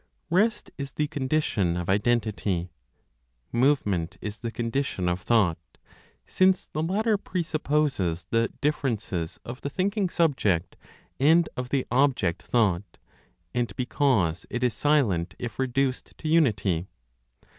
Rest is the condition of identity; movement is the condition of thought, since the latter presupposes the differences of the thinking subject and of the object thought, and because it is silent if reduced to unity.